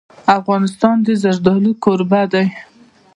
افغانستان د زردالو کوربه دی.